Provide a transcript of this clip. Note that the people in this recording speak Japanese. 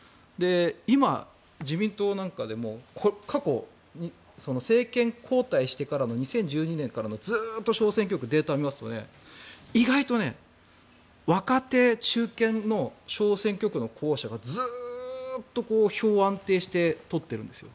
今、自民党なんかでも過去、政権交代してからの２０１２年からの小選挙区のデータをずっと見ますと意外と若手、中堅の小選挙区の候補者がずっと票を安定して取ってるんですよ。